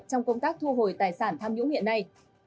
trong công tác thu hồi tài sản tham nhũng hiện nay